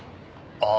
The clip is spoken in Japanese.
ああ